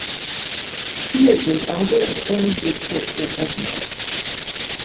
He is an elder at Canongate Kirk in Edinburgh.